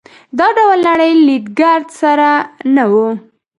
دا ډول نړۍ لید ګرد سره نه وو.